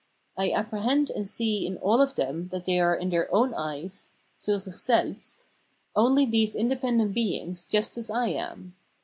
I apprehend and see in all of, them that they are in their own eyes (filr sick sdhst) only these independent beings just as I am.